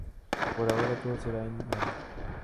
Por ahora, todo será en vano.